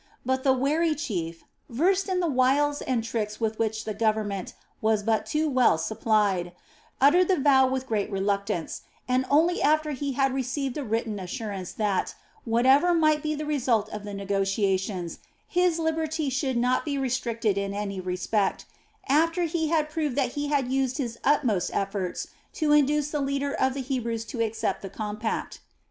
But the wary chief, versed in the wiles and tricks with which the government was but too well supplied, uttered the vow with great reluctance, and only after he had received a written assurance that, whatever might be the result of the negotiations, his liberty should not be restricted in any respect, after he had proved that he had used his utmost efforts to induce the leader of the Hebrews to accept the compact.